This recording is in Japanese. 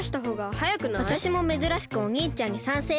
わたしもめずらしくおにいちゃんにさんせい。